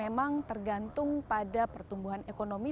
itu juga perhitung untuk pertumbuhan ekonomi